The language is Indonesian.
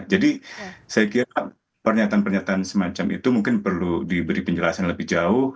jadi saya kira pernyataan pernyataan semacam itu mungkin perlu diberi penjelasan lebih jauh